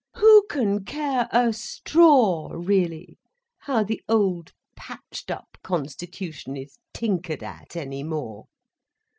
Who can care a straw, really, how the old patched up Constitution is tinkered at any more?